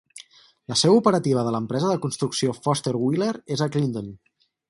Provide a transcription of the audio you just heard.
La seu operativa de l'empresa de construcció Foster Wheeler és a Clinton.